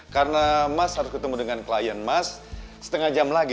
karena mas harus ketemu dengan klien mas setengah jam lagi